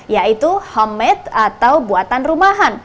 yaitu homemade atau buatan rumahan